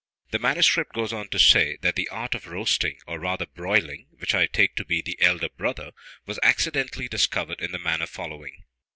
The manuscript goes on to say, that the art of roasting, or rather broiling (which I take to be the elder brother) was accidentally discovered in the manner following.